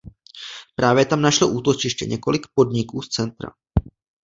Právě tam našlo útočiště několik podniků z centra.